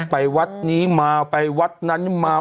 แสนวัฒน์เต็มกระเป๋า